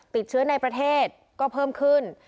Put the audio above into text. ติดเชื้อในประเทศก็เพิ่มขึ้น